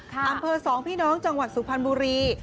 อำเภอสองพี่น้องจังหวัดสุพรรณบุรี